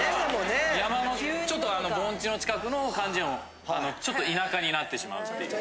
山のちょっとあの盆地の近くの感じのちょっと田舎になってしまうっていう。